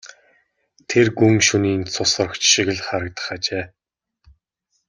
Тэр гүн шөнийн цус сорогч шиг харагдах ажээ.